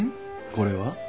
これは？